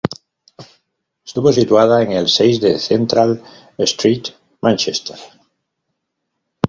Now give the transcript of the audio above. Estuvo situada en el seis de Central Street, Manchester.